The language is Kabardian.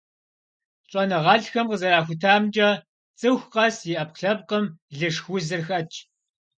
ЩӀэныгъэлӀхэм къызэрахутамкӀэ, цӀыху къэс и Ӏэпкълъэпкъым лышх узыр хэтщ.